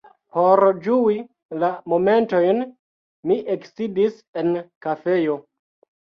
Por ĝui la momentojn mi eksidis en kafejo.